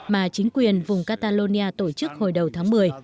mà chính quyền vùng catalonia tổ chức hồi đầu tháng một mươi